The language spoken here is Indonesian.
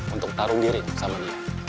untuk taruh diri sama dia